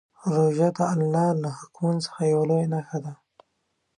روژه د الله له حکمونو څخه یوه لویه نښه ده.